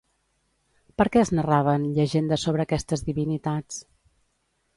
Per què es narraven llegendes sobre aquestes divinitats?